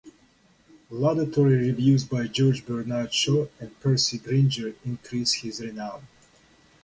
Laudatory reviews by George Bernard Shaw and Percy Grainger increased his renown.